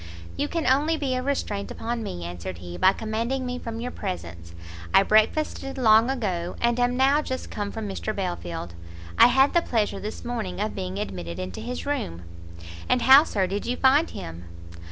"You can only be a restraint upon me," answered he, "by commanding me from your presence. I breakfasted long ago, and am now just come from Mr Belfield. I had the pleasure, this morning, of being admitted into his room." "And how, Sir, did you find him?"